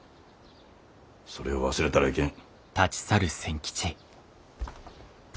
それを忘れたらいけん。